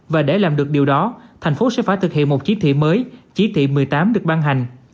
và để làm được điều đó thành phố sẽ phải thực hiện một chỉ thị mới chỉ thị một mươi tám được ban hành